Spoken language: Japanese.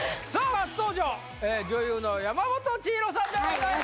初登場女優の山本千尋さんでございます